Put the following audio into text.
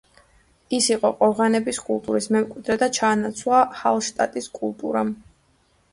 ის იყო ყორღანების კულტურის მემკვიდრე და ჩაანაცვლა ჰალშტატის კულტურამ.